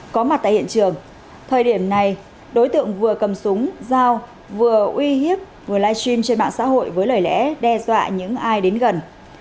có mặt tại hiện trường thời điểm này đối tượng vừa cầm súng dao vừa uy hiếp vừa live stream trên mạng xã hội với lời lẽ đe dọa những ai đến gần